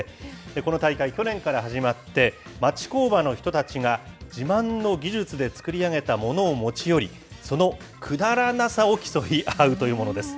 この大会、去年から始まって、町工場の人たちが自慢の技術で作り上げたものを持ち寄り、そのくだらなさを競い合うというものです。